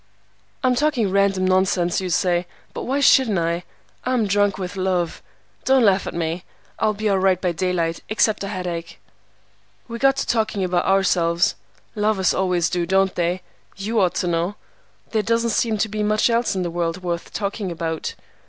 I'm talking random nonsense, you say, but why shouldn't I? I'm drunk with love. Don't laugh at me. I'll be all right by daylight, except a headache. We got to talking about ourselves. Lovers always do, don't they? You ought to know. There doesn't seem to be much else in the world worth talking about.